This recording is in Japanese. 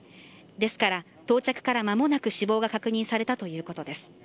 ですから、到着から間もなく死亡が確認されたということです。